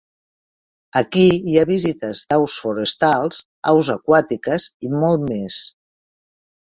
Aquí hi ha visites de aus forestals, aus aquàtiques i molt més.